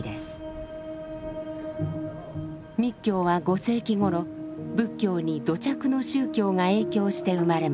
密教は５世紀頃仏教に土着の宗教が影響して生まれました。